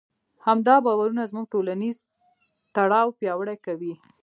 همدا باورونه زموږ ټولنیز تړاو پیاوړی کوي.